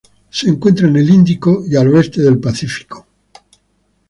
Se encuentra en el Índico y al oeste del Pacífico.